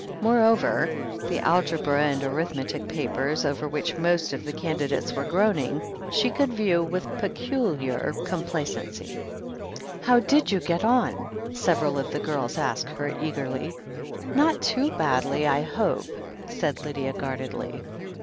Moreover, the algebra and arith metic papers, over which most of the candidates were ^oaning, she could view with peculiar complacency. THE HEEL OF ACHILLES 51 "How did you get on?" several of the girls asked her eagerly. "Not too badly, J hope," said Lydia guardedly.